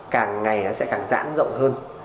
càng ngày nó sẽ càng giãn rộng hơn